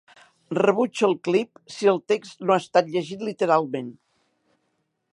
Rebutge el clip si el text no ha estat llegit literalment.